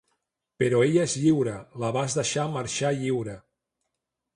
Però ella és lliure. La vas deixar marxar lliure.